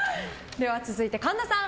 では続いて、神田さん。